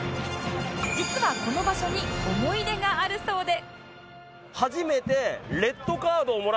実はこの場所に思い出があるそうで